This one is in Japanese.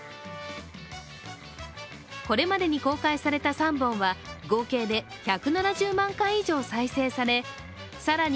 これまでに公開された３本は合計で１７０万回以上再生され更に